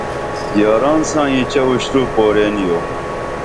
یاران ساں اینچہ اُشترو پُرین یو